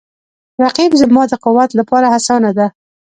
رقیب زما د قوت لپاره هڅونه ده